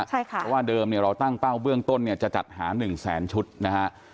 เพราะว่าเดิมเราตั้งเป้าเบื้องต้นจะจัดหา๑๐๐๐๐๐ชุดนะคะ